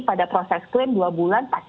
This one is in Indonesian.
pada proses klaim dua bulan pasti